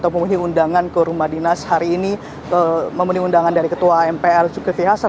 memenuhi undangan ke rumah dinas hari ini memenuhi undangan dari ketua mpr zulkifli hasan